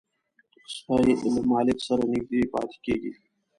سپي له مالک سره نږدې پاتې کېږي.